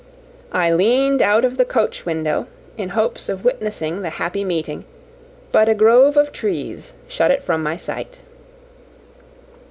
I leaned out of the coach window, in hopes of witnessing the happy meeting, but a grove of trees shut it from my sight.